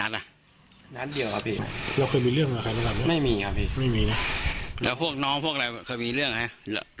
แล้วพวกน้องพวกอะไรเคยมีเรื่องไหม